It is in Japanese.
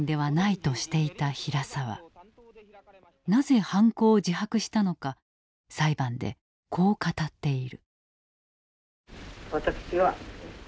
なぜ犯行を自白したのか裁判でこう語っている。